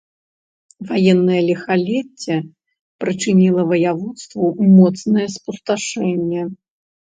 Ваеннае ліхалецце прычыніла ваяводству моцнае спусташэнне.